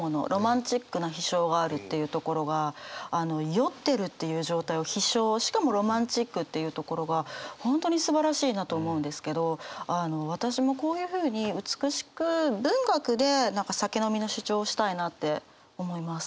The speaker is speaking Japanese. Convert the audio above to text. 酔ってるっていう状態を「飛翔」しかもロマンチックって言うところが本当にすばらしいなと思うんですけどあの私もこういうふうに美しく文学で何か酒飲みの主張をしたいなって思います。